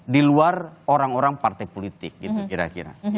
di luar orang orang partai politik gitu kira kira